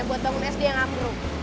buat bangun sd yang ambruk